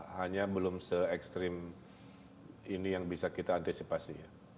hanya belum se ekstrim ini yang bisa kita antisipasi